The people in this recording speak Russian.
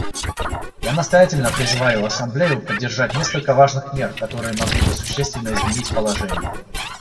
Я настоятельно призываю Ассамблею поддержать несколько важных мер, которые могли бы существенно изменить положение.